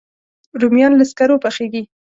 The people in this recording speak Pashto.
رومیان له سکرو پخېږي